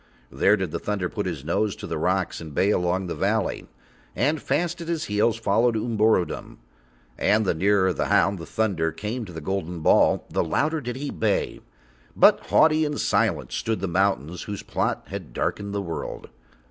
There did the thunder put his nose to the rocks and bay along the valleys, and fast at his heels followed Umborodom. And the nearer the hound, the thunder, came to the golden ball the louder did he bay, but haughty and silent stood the mountains whose plot had darkened the world.